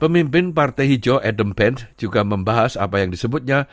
pemimpin partai hijau adam pent juga membahas apa yang disebutnya